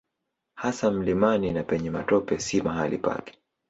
Hasa mlimani na penye matope si mahali pake.